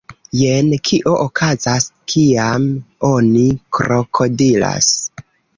Jen kio okazas, kiam oni krokodilas